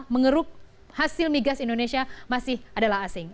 mengeruk hasil migas indonesia masih adalah asing